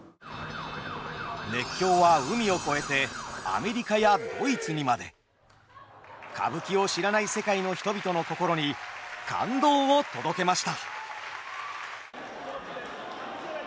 熱狂は海を越えてアメリカやドイツにまで。歌舞伎を知らない世界の人々の心に感動を届けました。